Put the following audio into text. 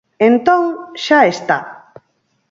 Entón, xa está.